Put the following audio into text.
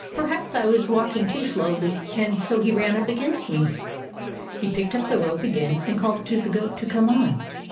" Perhaps I was walking too slowly, and so he ran up against me." He picked up the rope again and called to the goat to come on.